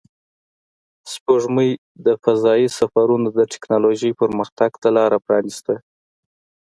سپوږمۍ د فضایي سفرونو د تکنالوژۍ پرمختګ ته لار پرانیسته